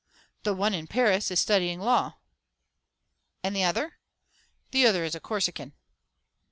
"The one in Paris is studying law." "And the other?" "The other is a Corsican."